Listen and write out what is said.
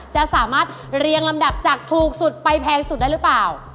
จะสามารถเรียงลำดับจากถูกสุดไปแพงสุดได้หรือเปล่า